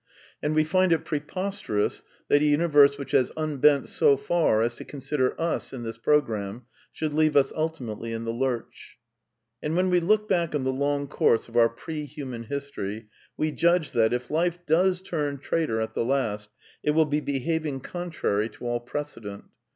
And we find it preposterous that a universe which has unbent so far as to consider us in this programme should leave us ultimately in the lurch. And when we look back on the long course of our pre hiiman history, we judge that, if Life does turn traitor at the last, it will ^ be behaving contrary to all precedent.